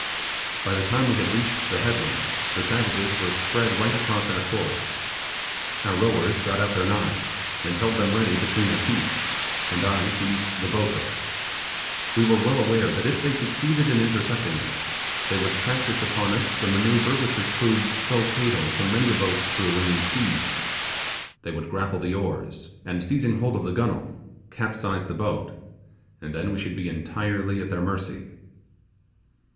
By the time we had reached the headland, the savages were spread right across our course. Our rowers got out their knives and held them ready between their teeth, and I seized the boat hook. We were all aware that if they succeeded in intercepting us they would practise upon us the manoeuvre which has proved so fatal to many a boat's crew in these seas. They would grapple the oars, and seizing hold of the gunwhale, capsize the boat, and then we should be entirely at their mercy.